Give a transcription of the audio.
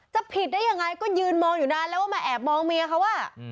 ผิดได้ยังไงก็ยืนมองอยู่นานแล้วว่ามาแอบมองเมียเขา